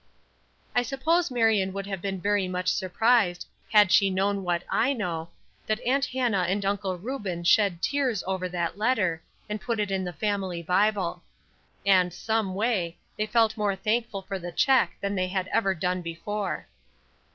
I suppose Marion would have been very much surprised had she known what I know, that Aunt Hannah and Uncle Reuben shed tears over that letter, and put it in the family Bible. And, someway, they felt more thankful for the check than they had ever done before.